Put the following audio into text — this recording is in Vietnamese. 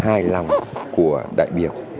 hài lòng của đại biểu